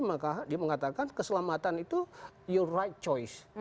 mereka mengatakan keselamatan itu your right choice